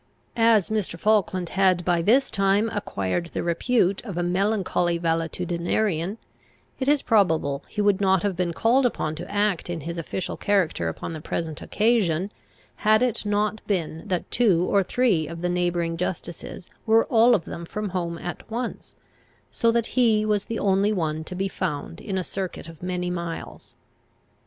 As Mr. Falkland had by this time acquired the repute of a melancholy valetudinarian, it is probable he would not have been called upon to act in his official character upon the present occasion, had it not been that two or three of the neighbouring justices were all of them from home at once, so that he was the only one to be found in a circuit of many miles.